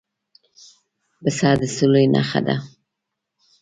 پسه د سولې نښه ده.